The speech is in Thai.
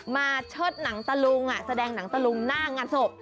เชิดหนังตะลุงแสดงหนังตะลุงหน้างานศพ